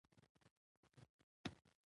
د مشورې په اساس مزار ته ولاړ.